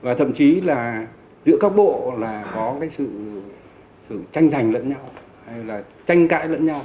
và thậm chí là giữa các bộ là có cái sự tranh giành lẫn nhau hay là tranh cãi lẫn nhau